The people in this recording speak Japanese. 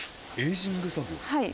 はい。